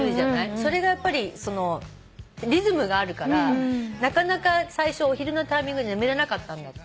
それがやっぱりそのリズムがあるからなかなか最初お昼寝のタイミングで眠れなかったんだって。